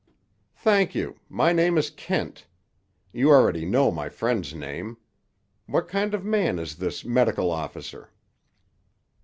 "Thank you. My name is Kent. You already know my friend's name. What kind of man is this medical officer?"